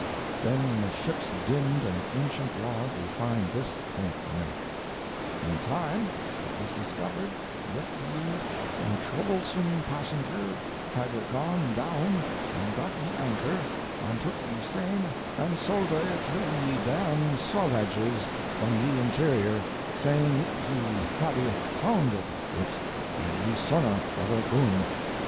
Then in the ship's dimmed and ancient log we find this quaint note: "In time it was discouvered yt ye troblesome passenger hadde gone downe and got ye anchor, and toke ye same and solde it to ye dam sauvages from ye interior, saying yt he hadde founde it, ye sonne of a ghun!"